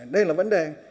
đây là vấn đề